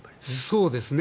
そうですね。